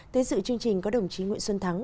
tới dự chương trình có đồng chí nguyễn xuân thắng